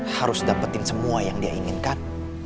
harus dapetin semua yang dia inginkan